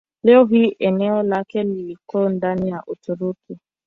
Leo hii eneo lake liko ndani ya Uturuki.